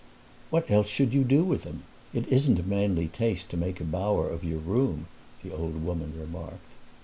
"What else should you do with them? It isn't a manly taste to make a bower of your room," the old woman remarked.